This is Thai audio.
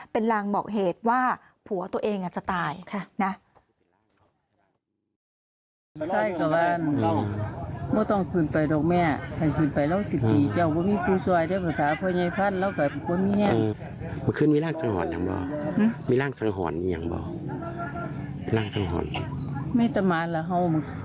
เป็นลางบอกเหตุว่าผัวตัวเองจะตายนะ